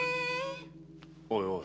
おいおい。